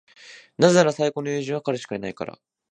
なぜなら、最高の友人は彼しかいないから。